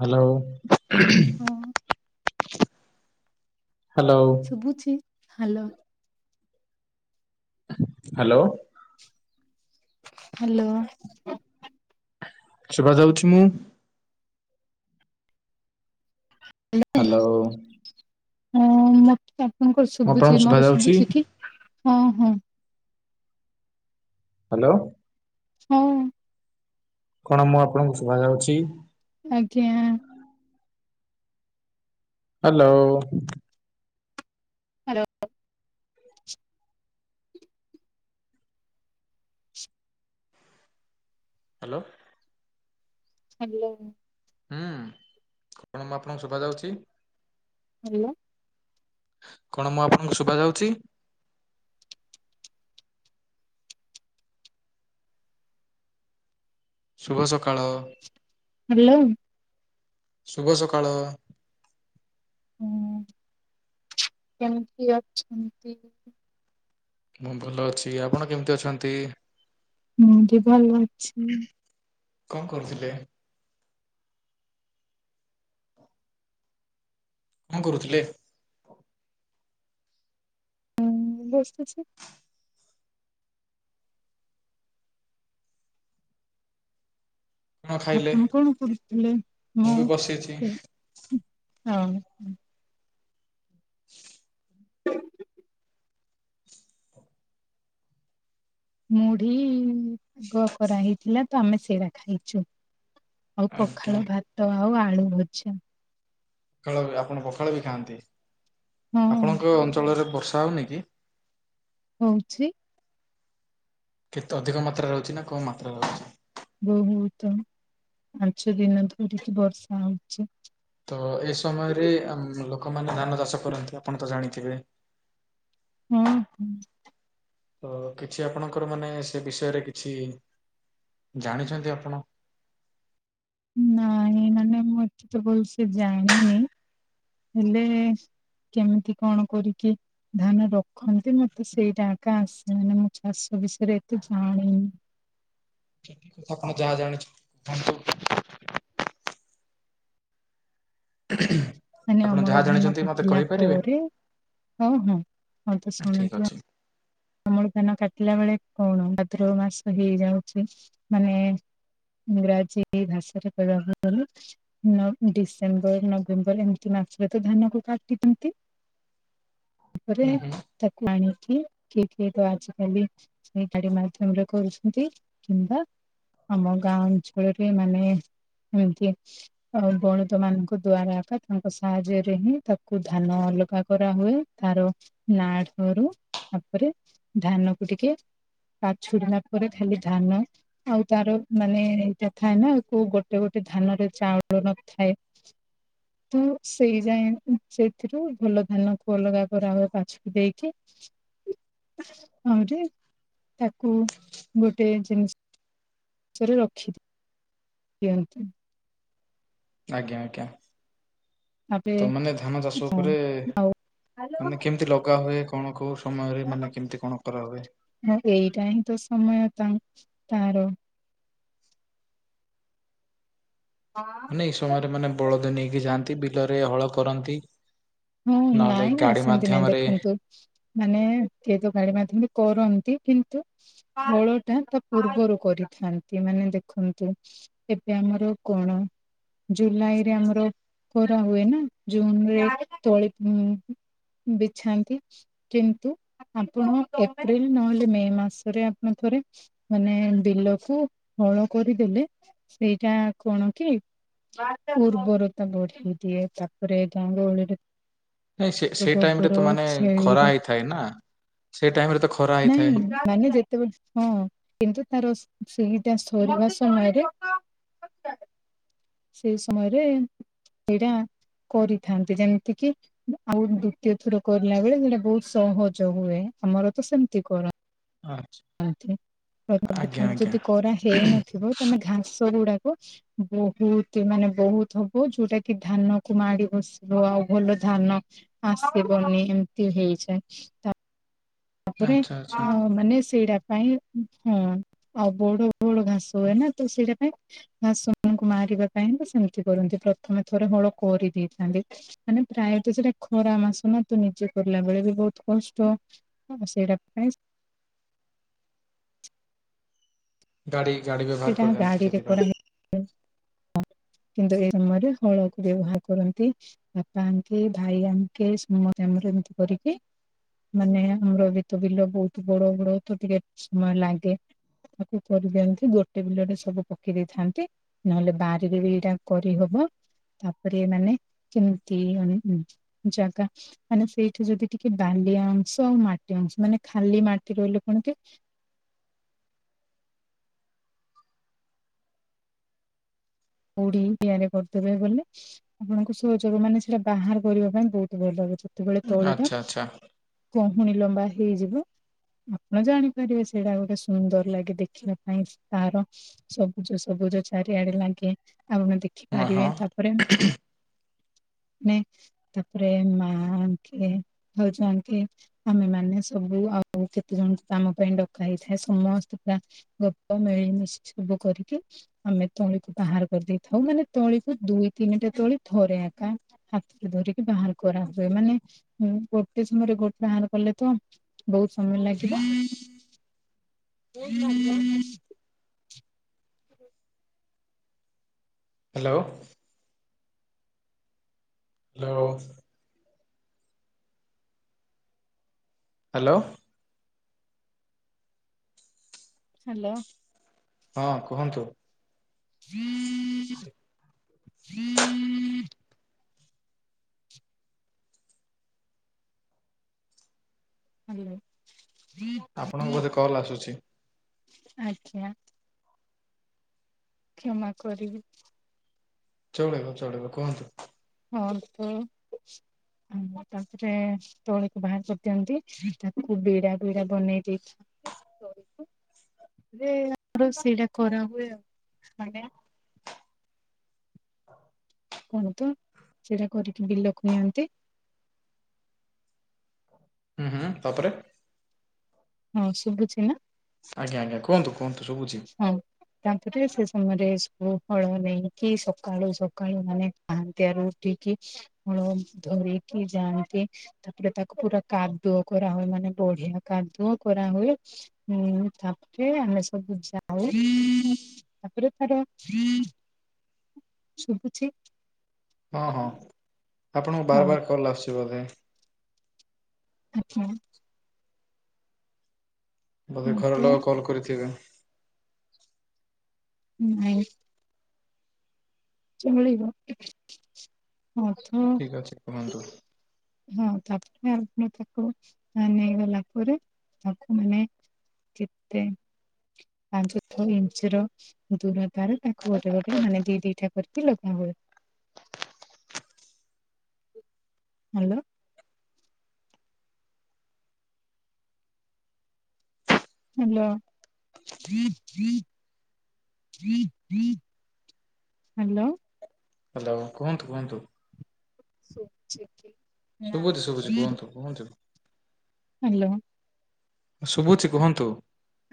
Hello. ହଁ hello. ଶୁଭୁଛି hello hello. Hello. ସୁବା ଯାଉଛି ମୁଁ? ହାଲୋ। ହଁ ମତେ ଆପଣଙ୍କର ମୁଁ ଆପଣଙ୍କୁ ଶୁଭୁଛି ଶୁଭା ମୋର ଯାଉଛି ଶୁଭୁଛି କି ହଁ ହଁ। ହାଲୋ। ହଁ। କଣ ମୁଁ ଆପଣଙ୍କୁ ଶୁଭା ଯାଉଛି? ଆଜ୍ଞା। ହାଲୋ। ହାଲୋ। ହାଲୋ। ହାଲୋ। ହୁଁ କଣ ମୁଁ ଆପଣଙ୍କୁ ଶୁଭାଯାଉଚି? ହାଲୋ। କଣ ମୁଁ ଆପଣଙ୍କୁ ଶୁବା ଯାଉଚି? ଶୁଭ ସକାଳ। ହାଲୋ। ଶୁଭ ସକାଳ। ହୁଁ କେମତି ଅଛନ୍ତି? ମୁଁ ଭଲ ଅଛି। ଆପଣ କେମିତି ଅଛନ୍ତି? ହୁଁ ବି ଭଲ ଅଛି। କଣ କରୁଥିଲେ? କଣ କରୁଥିଲେ? ମୁଁ ବସିଛି। କଣ ଖାଇଲେ ଆପଣ କଣ କରୁଥିଲେ? ମୁଁ ହଁ ବି ବସିଛି ସେ ହଁ। ମୁଢି ଗ- କରା ହେଇଥିଲା ତ ଆମେ ସେରା ଖାଇଚୁ। ଆଉ ଆଜ୍ଞା। ପଖାଳ ଭାତ ଆଉ ଆଳୁ ଭଜା। ପଖାଳ ଆପଣ ପଖାଳ ବି ଖାଆନ୍ତି। ହଁ ଆପଣଙ୍କ ଅଞ୍ଚଳରେ ବର୍ଷା ହଉନି କି? ହଉଛି। କେତେ ଅଧିକ ମାତ୍ରାରେ ହଉଚି ନା କମ୍ ମାତ୍ରାରେ ହଉଚି? ବହୁତ ପାଞ୍ଚ ଦିନ ଧରିକି ବର୍ଷା ହଉଚି। ତ ଏ ସମୟରେ ଆମ୍ -ଲୋକମାନେ ଧାନ ଚାଷ କରନ୍ତି ଆପଣ ତ ଜାଣିଥିବେ? ହୁଁ - ହୁଁ। ତ କିଛି ଆପଣଙ୍କର ମାନେ ସେ ବିଷୟରେ କିଛି ଜାଣିଚନ୍ତି ଆପଣ? ନାଁ ମୁଁ ଏତେତ ଭଲସେ ଜାଣିନି ହେଲେ କେମିତି କଣ କରିକି ଧାନ ରଖନ୍ତି ମତେ ସେଇଟା ଆକା ଆସେନି ଚାଷ ବିଷୟରେ ଏତେ ଜାଣିନି। ଏ କି କଥା ଆପଣ ଯାହା ଜାଣିଛନ୍ତି ବୁଝାନ୍ତୁ। ମାନେ ଆପଣ ଅମଳ ଯାହା ଧାନ ଜାଣିଚନ୍ତି ମତେ କାଟିଲା କହିପାରିବେ? ପରେ ହଁ ହଁ ହଁ ତ ଆଁ ଠିକ୍ ଶୁଣନ୍ତୁ ଅଛି। ଅମଳ ଧାନ କାଟିଲା ବେଳେ କଣ ଭାଦ୍ରବ ମାସ ହେଇଯାଉଚି ମାନେ ଇଂରାଜୀ ଭାଷା ତ କହିବା କଥା ନୁହୁଁ। ଡିସେମ୍ବର ନଭେମ୍ବର ଏମିତି ମାସରେ ତ ଧାନ କୁ କାଟିଥାନ୍ତି। ପରେ ହୁଁ ହୁଁ ତାକୁ ଆଣିକି କିଏ କିଏ ତ ଆଜିକାଲି ସେଇ ଗାଡି ମାଧ୍ୟମରେ କରୁଛନ୍ତି କିମ୍ବା ଆମ ଗାଁ ଅଞ୍ଚଳରେ ମାନେ ଏମିତି ଆ ଗଣିତ ମାନଙ୍କ ଦ୍ଵାରା ଏକ ତାଙ୍କ ସାହାଯ୍ୟରେ ହିଁ ତାକୁ ଧାନ ଅଲଗା କରାହୁଏ ତାର ନାଡରୁ ତାପରେ ଧାନ କୁ ଟିକେ ପାଛୁଡିଲା ପରେ ଖାଲି ଧାନ ଆଉ ତାର ମାନେ [unintelligible] ଥାଏ ନା କୋଉ ଗୋଟେ ଗୋଟେ ଧାନ ର ଚାଉଳ ନଥାଏ। ତ ସେଇ ଯାଏ ସେଥିରୁ ଭଲ ଧାନକୁ ଅଲଗା କରା ହୁଏ ପାଛୁଡି ଦେଇକି ହଁ ଯେ ତାକୁ ଗୋଟେ ଜିନିଷ [unintelligible] ରଖି [unintelligible] [unintelligible] ଆଜ୍ଞା ଆଜ୍ଞା ତାପରେ ମାନେ ଧାନ ଚାଷ ହଁ ଉପରେ ଆଉ ମାନେ କେମିତି ଲଗା ହୁଏ କଣ କୋଉ ସମୟରେ ମାନେ କେମିତି କଣ କରାହୁଏ? ହଁ ଏଇଟା ହିଁ ତ ସମୟ ତା ତାର ହଁ ମାନେ ଏଇ ସମୟରେ ମାନେ ବଳଦ ନେଇକି ଯାଆନ୍ତି ବିଲରେ ହଳ କରନ୍ତି। ହଁ ନହେଲେ ନାଇଁ ନାଇଁ ଗାଡି ସେମିତି ନାଇଁ ମାଧ୍ୟମରେ ଦେଖନ୍ତୁ ମାନେ ଏ ତ ଗାଡି ମାଧ୍ୟମରେ କରନ୍ତି କିନ୍ତୁ ହଳ ଟା ତା ପୂର୍ବରୁ କରିଥାନ୍ତି। ମାନେ ଦେଖନ୍ତୁ ଏବେ ଆମର କଣ ଜୁଲାଇ ରେ ଆମର ଖରା ହୁଏ ନା ଜୁନ ରେ ତୋଳି ବିଛାନ୍ତି। କିନ୍ତୁ ଆପଣ ଏପ୍ରିଲ ନହେଲେ ମେ ମାସରେ ଆପଣ ଥରେ ମାନେ ବିଲକୁ ହଳ କରିଦେଲେ ସେଇଟା କଣ କି ପୂର୍ବରେ [unintelligible] ନାଇଁ ସେ ସେ ଟାଇମ ରେ ତ ମାନେ ଖରା ଛେଳିର ହେଇଥାଏ ନା ସେ ଟାଇମରେ ଖରା ନାଇଁ ହେଇଥାଏ। ମାନେ ଯେତେବେଳେ ହଁ କିନ୍ତୁ ତାର ସେଇଟା ସରିବା ସମୟରେ ସେଇ ସମୟରେ ସେଟା କରିଥାନ୍ତି ଯେମିତି କିି ଆଉ ଦ୍ଵିତୀୟ ଥର କରିଲା ବେଳେ ସେଇଟା ବହୁତ ସହଜ ହୁଏ। ଆମର ତ ସେମିତି କରନ୍ତି। ଆଚ୍ଛା ଯଦି କରା ହେଇନଥିବ ତମେ ଘାସ ଗୁଡାକ ବହୁତ ମାନେ ବହୁତ ହବ ଯୋଉଟା କି ଧାନ କ ମାଡି ବସି ଆଉ ଭଲ ଧାନ ଆସିବନି ଏମିତି ହେଇଯାଏ। ତାପରେ ଆଚ୍ଛା ଆ ଆଚ୍ଛା। ମାନେ ସେଇଟା ପାଇଁ ହଁ ଆଉ ବଡ ବଡ ଘାସ ହୁଏ ନା ତ ସେଇଟା ପାଇଁ ଘାସ ମାନଙ୍କୁ ମାରିବା ପାଇଁ ସେମିତି କରନ୍ତି ପ୍ରଥମେ ଥରେ ହଳ କରିଦେଇଥାନ୍ତି ମାନେ ପ୍ରାୟତଃ ସେଟା ଖରା ମାସ ନା ତ ନିଜେ କରିଲା ବେଳେ ବି ବହୁତ କଷ୍ଟ। ହଁ ସେଇଟା ପାଇଁ ଗାଡି ଗାଡି ବ୍ୟବହାର କରିଥାନ୍ତି ସେଥିପାଇଁ। ହୁଁ କିନ୍ତୁ ଏଇ ସମୟରେ ହଳକୁ ବ୍ୟବହାର କରନ୍ତି। ବାପା ଆଙ୍କେ ଭାଇ ଆଙ୍କେ ସମତେ ଆମର ଏମିତି କରିକି ମାନେ ଆମର ବି ତ ବିଲ ବହୁତ ବଡ ବଡ ତ ଟିକେ ସମୟ ଲାଗେ। ତାକୁ କରି ଦିଅନ୍ତି। ଗୋ ଟେ ବିଲରେ ସବୁ ପକେଇ ଦେଇଥାନ୍ତି। ନହେଲେ ବାରିରେ ବି ଏଇଟା କରିହବ। ତାପରେ ଏମାନେ କେମିତି ଆମେ [unintelligible] ଜାଗା ମାନେ ସେଇଠି ଯଦି ଟିକେ ବାଲିଆ ଅଂଶ ଆଉ ମାଟି ଅଂଶ ମାନେ ଖାଲି ମାଟି ରହିଲେ କଣ କି କୋଉଠି [inaudible] ରେ କରୁଥୁବେ ବୋଲେ। ଆପଣଙ୍କୁ ସହଯୋଗ ମାନେ ସେଇଟା ବାହାର କରିବା ପାଇଁ ବହୁତ ଭଲ ହୁଏ। ଯେତେବେଳେ ତଳି ଟା ଆଚ୍ଛା ଆଚ୍ଛା କହୁଣି ଲମ୍ବା ହେଇଯିବ। ଆପଣ ଜାଣିପାରିବେ ସେଇଟା ଗୋଟେ ସୁନ୍ଦର ଲାଗେ ଦେଖିବା ପାଇଁ। ତାର ସବୁଜ ସବୁଜ ଚାରିଆଡେ ଲାଗେ ଆପଣ ହଁ ହଁ। ଦେଖିପାରିବେ। ତାପରେ ନେ ତାପରେ ମା ଆଙ୍ଖିରେ ହଉ ଯାଆନ୍ତି। ଆମେମାନେ ସବୁ ଆଉ କେତେ ଜଣ କାମ ପାଇଁ ଡକା ହେଇଥାଏ। ସମସ୍ତେ ପ୍ରା ଗପ ମିଳିମିଶି ସବୁ କରିକି ଆମେ ତଳିକୁ ବାହାର କରିଦେଇଥାଉ। ମାନେ ତଳିକୁ ଦୁଇ ତିନିଟା ତଳି ଥରେ ଏକା ହାତରେ ଧରିକି ବାହାର କରା ହୁଏ। ମାନେ ଉଁ, ଗୋଟେ ସମୟରେ ଗୋ ବାହାର କଲେ ତ ବହୁତ ସମୟ ଲାଗିବ। [unintelligible] ହ୍ୟାଲୋ। ହ୍ୟାଲୋ। ହାଲୋ। ହ୍ୟାଲୋ। ହଁ କୁହନ୍ତୁ। [unintelligible] Hello hello. ଆପଣଙ୍କ ବୋଧେ କଲ୍ ଆସୁଛି। ଆଜ୍ଞା। କ୍ଷମା କରିବେ। ଚଳିବ ଚଳିବ କୁହନ୍ତୁ। ହଁ ତ ଆମ ତାପରେ ତଳିକୁ ବାହାର କରିଦିଅନ୍ତି। ତାକୁ ବିଡା ବିଡା ବନେଇ ଦେଇଥାନ୍ତି ସେ ତଳିକୁ। ରେ ଆମର ସେଇଟା କରା ହୁଏ ଆଉ, ମାନେ କୁହନ୍ତୁ, ସେଇଟା କରିକି ବିଲକୁ ନିଅନ୍ତି। ଉଁ, ହୁଁ, ତାପରେ। ହଁ ଶୁଭୁଛିିନା? ଆଜ୍ଞା, ଆଜ୍ଞା, କୁହନ୍ତୁ, କୁହନ୍ତୁ ଶୁବୁଛି। ଆଉ ତାଙ୍କେ ଟିକେ ସେ ସମୟରେ ସବୁ ହଳ ନେଇକି ସକାଳୁ ସକାଳୁ ମାନେ ପାହାନ୍ତିଆରୁ ଉଠିକି ହଳ ଧରିକି ଯାଆନ୍ତି। ତାପରେ ତାକୁ ପୁରା କାଦୁଅ କରା ହୁଏ। ମାନେ ବଢିଆ କାଦୁଅ କରାହୁଏ। ହୁଁ, ତାପରେ ଆମେ ସବୁ ଯି ଯାଉ, ତାପରେ ତାର, ଶୁଭୁଛି? ହଁ, ହଁ ଆପଣଙ୍କୁ ବାର ବାର କଲ୍ ଆସୁଛି ବୋଧେ। ଆଚ୍ଛା। ବୋଧେ ଘର ତ ଲୋକ କଲ୍ କରିଥିବେ। ନାଇଁ। ଏ ମିଳିବ। ଠିକ୍ ଅଛି [unintelligible] କୁହନ୍ତୁ। ହଁ। ତାପରେ ଆପଣ ତାକୁ ନେଇଗଲା ପରେ, ତାକୁ ମାନେ [unintelligible] ପାଞ୍ଚ ଛଅ ଇଞ୍ଚି ର ଦୂରତାର ତାକୁ ଗୋଟେ ଗୋଟେ ମାନେ ଦି ଦିଟା କରିକି ଲଗା ହୁଏ। ହାଲୋ। ହାଲୋ। ହାଲୋ। ହାଲୋ କୁହନ୍ତୁ କୁହନ୍ତୁ। ଶୁବୁଚି କି? ନା ଶୁବୁଚି ଶୁବୁଚି କୁହନ୍ତୁ କୁହନ୍ତୁ। ହାଲୋ। ଶୁଭୁଚି କୁହନ୍ତୁ।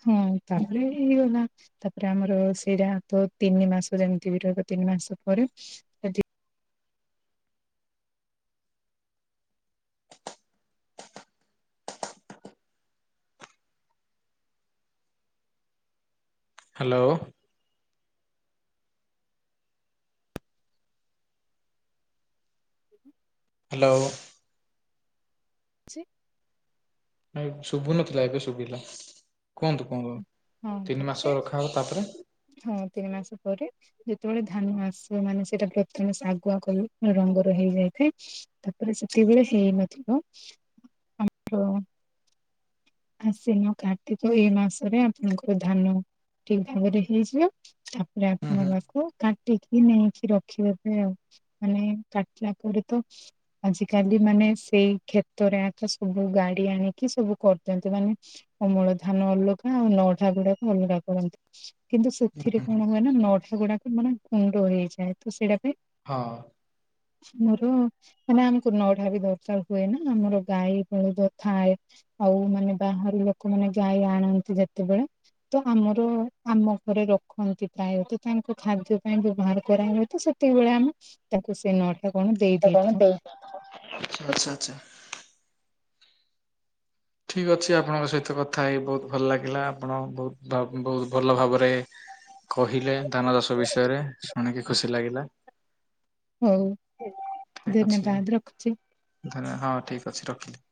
ହୁଁ ତାପରେ ହେଇଗଲା। ତାପରେ ଆମର ସେଇଟା ତ ତିନି ମାସ ଯେମିତି ବି ରହିବ। ତିନି ମାସ ପରେ ହାଲୋ। ହାଲୋ ଛି ଶୁବୁନଥିଲା ଏବେ ଶୁବିଲା। କୁହନ୍ତୁ କଣ? ହଁ ତିନି ତାପରେ ମାସ ରଖାହବ ତାପରେ ହଁ ତିନି ମାସ ପରେ ଯେତେବେଳେ ଧାନ ଆସିବ ମାନେ ସେଇଟା ପ୍ରଥମେ ଶାଗୁଆ କଲର୍ ରଙ୍ଗର ହେଇଯାଇଥାଏ। ତାପରେ ସେତିକି ବେଳେ ହେଇନଥିବ। [unintelligible] ଆଶ୍ଵିନ କାର୍ତ୍ତିକ ଏଇ ମାସରେ ଆପଣଙ୍କର ଧାନ ଠିକ୍ ଭାବରେ ହେଇଯିବ। ତାପରେ ଆପଣ ହୁଁ ତାକୁ କାଟ କାଟିକି ନେଇକି ରଖିଦେବେ ଆଉ। ମାନେ କାଟିଲା ପରେ ତ ଆଜିକାଲି ମାନେ ସେଇ କ୍ଷେତରେ ଆକ ସବୁ ଗାଡି ଆଣିକି ସବୁ କରୁ ଚନ୍ତି। ମାନେ ଅମଳ ଧାନ ଅଲଗା ଆଉ ନଡ଼ା ଗୁଡାକ ଅଲଗା କରନ୍ତି। କିନ୍ତୁ ସେଥିରେ ହୁଁ କଣ ହୁଏ ନା ନଡ଼ା ଗୁଡାକ ମାନେ ଗୁଣ୍ଡ ହେଇଯାଏ। ତ ସେଇଡ଼ା ପାଇଁ ହଁ। ମୋର ମାନେ ଆମକୁ ନଢା ବି ଦରକାର ହୁଏ ନା ଆମର ଗାଈ ବଳଦ ଥାଏ। ଆଉ ମାନେ ବାହାରୁ ଲୋକମାନେ ଗାଈ ଆଣନ୍ତି ଯେତେବେଳେ ତ ଆମର ଆମ ଘରେ ରଖନ୍ତି ପ୍ରାୟେ। ତ ତାଙ୍କ ଖାଦ୍ୟ ପାଇଁ ବ୍ୟବହାର କରା ହୁଏ ତ, ସେ ସେତିକିବେଳେ ଆମେ ତାଙ୍କୁ ସେ ନଡ [unintelligible] [unintelligible] ଆଚ୍ଛା ଆଚ୍ଛା ଆଚ୍ଛା। ଠିକ୍ ଅଛି ଆପଣଙ୍କ ସହିତ କଥା ହେଇ ବହୁତ ଭଲ ଲାଗିଲା। ଆପଣ ବହୁତ୍ ବହୁତ୍ ଭଲ ଭାବରେ କହିଲେ ଧାନ ଚାଷ ବିଷୟରେ, ଶୁଣିକି ଖୁସି ଲାଗିଲା। ହଉ, ଠିକ୍ ଅଛି ଧନ୍ୟବାଦ ରଖୁଚି। ଧନ୍ୟ ହଁ ଠିକ୍ ଅଛି ରଖିଲି।